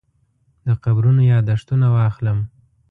د قبرونو یاداښتونه واخلم.